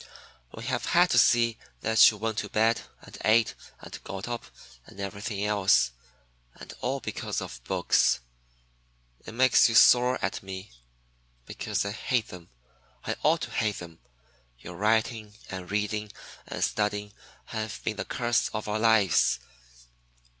We have had to see that you went to bed, and ate and got up and everything else. And all because of books. It makes you sore at me because I hate them. I ought to hate them! Your writing and reading and studying have been the curse of our lives.